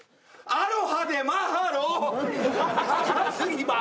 アロハでマハロ。